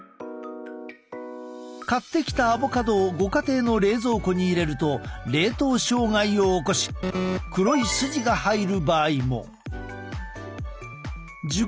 買ってきたアボカドをご家庭の冷蔵庫に入れると冷凍障害を起こし黒い筋が入る場合も。